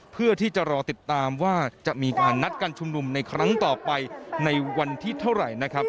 เพื่อที่จะรอติดตามว่าจะมีการนัดการชุมนุมในครั้งต่อไปในวันที่เท่าไหร่นะครับ